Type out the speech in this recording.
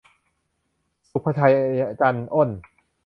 ศุภชัย จันอ้น